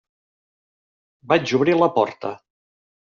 Vaig obrir la porta.